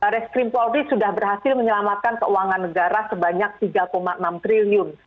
reskrim polri sudah berhasil menyelamatkan keuangan negara sebanyak tiga enam triliun